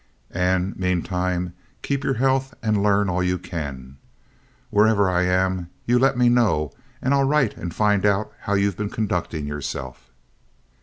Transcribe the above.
And, meantime, keep your health and learn all you can. Wherever I am, you let me know, and I'll write and find out how you've been conducting yourself."